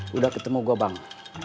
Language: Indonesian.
sudah ketemu gopang